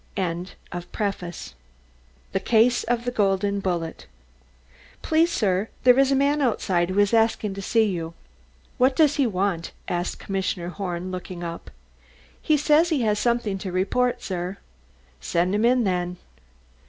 THE CASE OF THE GOLDEN BULLET "Please, sir, there is a man outside who asks to see you." "What does he want?" asked Commissioner Horn, looking up. "He says he has something to report, sir." "Send him in, then."